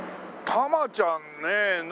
タマちゃんねえ。